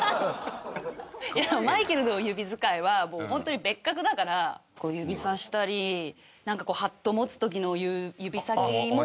いやマイケルの指づかいはもうホントに別格だからこう指さしたりこうハット持つ時の指先も。